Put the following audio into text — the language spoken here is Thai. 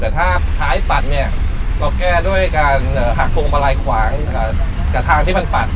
แต่ถ้าถ้าไหลปัดเราแก้ด้วยการหักโครงมาลัยขวางกับทางที่มันปัด